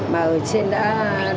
mà ở trên đã được đảm bảo